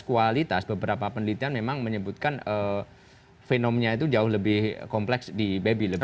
kualitas beberapa penelitian memang menyebutkan fenomnya itu jauh lebih kompleks di baby lebih